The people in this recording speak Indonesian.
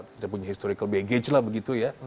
tidak punya historical baggage lah begitu ya